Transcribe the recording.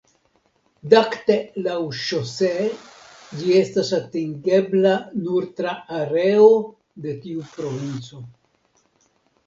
Dakte laŭŝosee ĝi estas atingebla nur tra areo de tiu provinco.